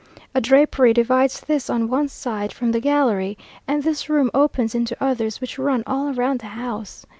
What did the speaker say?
A drapery divides this on one side from the gallery; and this room opens into others which run all round the house.